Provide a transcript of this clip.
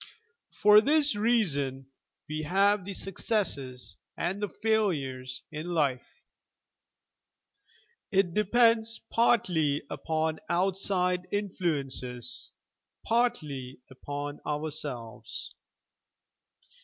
For this reason we have the successes and the failures in life. It depends partly upon outside influences, partly upon ourselves.